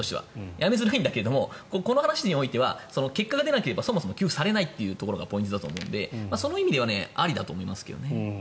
やめづらいんだけどこの話においては結果が出なければそもそも給付されないというのがポイントだと思うのでその意味ではありだと思いますけどね。